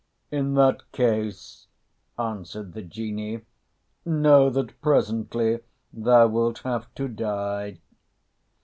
"In that case," answered the Genie, "know that presently thou wilt have to die."